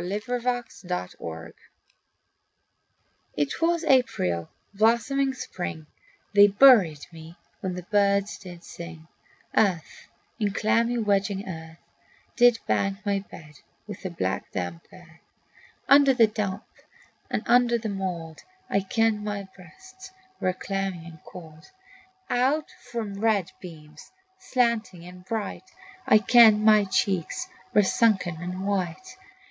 The Mother I It was April, blossoming spring, They buried me, when the birds did sing; Earth, in clammy wedging earth, They banked my bed with a black, damp girth. Under the damp and under the mould, I kenned my breasts were clammy and cold. Out from the red beams, slanting and bright, I kenned my cheeks were sunken and white.